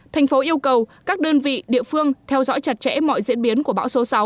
thành phố yêu cầu các đơn vị địa phương theo dõi chặt chẽ mọi diễn biến của bão số sáu